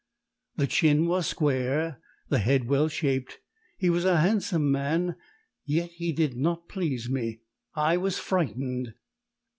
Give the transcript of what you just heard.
The chin was square, the head well shaped; he was a handsome man, yet he did not please me! I was frightened.